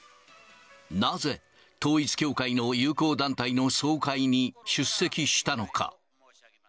なぜ統一教会の友好団体の総会に出席したのか。